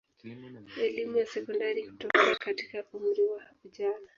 Elimu ya sekondari hutokea katika umri wa ujana.